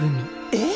えっ⁉